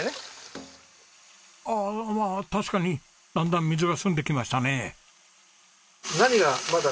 確かにだんだん水が澄んできましたね。